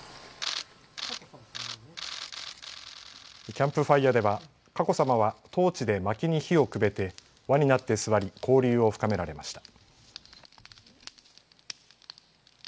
キャンプファイヤーでは佳子さまはトーチでまきに火をくべて輪になって座り交流を深められました。